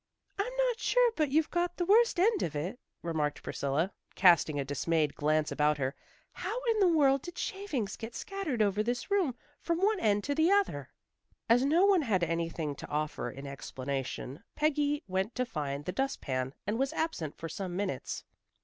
"I'm not sure but you've got the worst end of it," remarked Priscilla, casting a dismayed glance about her. "How in the world did shavings get scattered over this room from one end to the other?" As no one had anything to offer in explanation, Peggy went to find the dustpan and was absent for some minutes.